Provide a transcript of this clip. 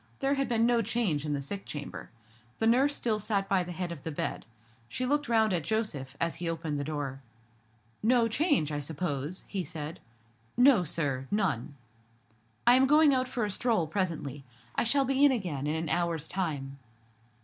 There had been no change in the sick chamber. The nurse still sat by the head of the bed. She looked round at Joseph, as he opened the door. "No change, I suppose?" he said. "No, sir; none." "I am going out for a stroll, presently. I shall be in again in an hour's time."